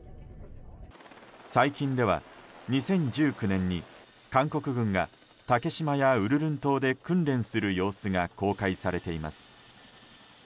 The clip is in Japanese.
最近では、２０１９年に韓国軍が竹島やウルルン島で訓練する様子が公開されています。